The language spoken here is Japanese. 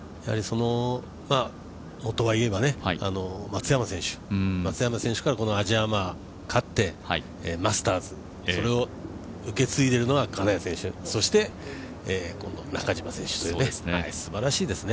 もとはといえば松山選手からこのアジアアマに勝ってマスターズを受け継いでいるのが金谷選手、そしてこの中島選手という、すばらしいですね。